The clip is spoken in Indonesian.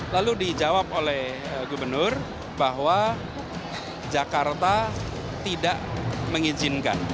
lalu dijawab oleh gubernur bahwa jakarta tidak mengizinkan